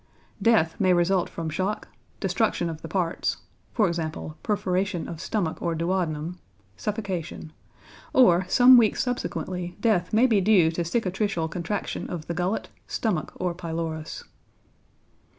Death may result from shock, destruction of the parts e.g., perforation of stomach or duodenum, suffocation; or some weeks subsequently death may be due to cicatricial contraction of the gullet, stomach, or pylorus.